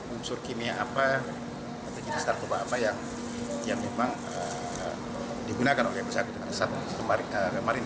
unsur kimia apa tapi kita coba yang yang memang digunakan oleh pesakit satu kemarin